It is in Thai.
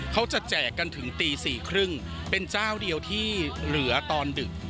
แจกกันถึงตี๔๓๐เป็นเจ้าเดียวที่เหลือตอนดึก